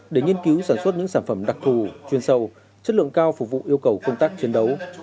để nghiên cứu sản xuất những sản phẩm đặc thù chuyên sâu chất lượng cao phục vụ yêu cầu công tác chiến đấu